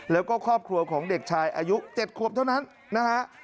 แล้วก็ครอบครัวของเด็กชายอายุ๗ขวบเท่านั้นนะฮะ